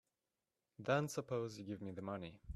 Then suppose you give me the money.